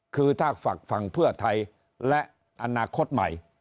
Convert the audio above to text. คือถ้าฝักฝั่งเพื่อไทยและอนาคตใหม่